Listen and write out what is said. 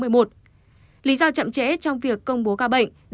lý do chậm trễ trong việc công bố ca bệnh